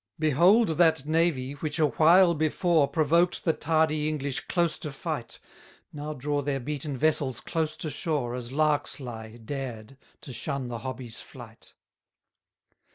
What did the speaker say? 195 Behold that navy, which a while before, Provoked the tardy English close to fight, Now draw their beaten vessels close to shore, As larks lie, dared, to shun the hobby's flight.